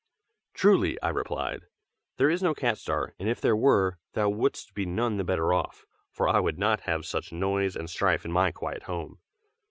"Truly," I replied, "there is no Cat Star; and if there were, thou wouldst be none the better off, for I would not have such noise and strife in my quiet home.